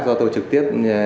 do tôi trực tiếp